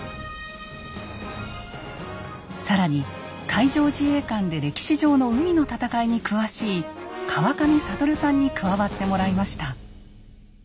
更に海上自衛官で歴史上の海の戦いに詳しい川上智さんに加わってもらいました。